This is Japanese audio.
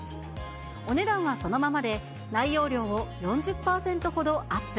お値段はそのままで、内容量を４０％ほどアップ。